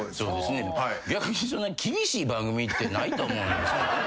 逆にそんな厳しい番組ってないと思うんですけど。